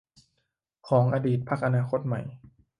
ของอดีตพรรคอนาคตใหม่